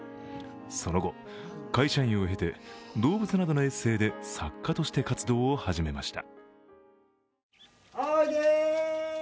その後、会社員を経て動物などのエッセーで作家として活動を始めました。